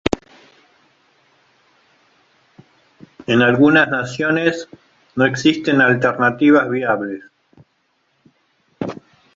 En algunas naciones no existen alternativas viables.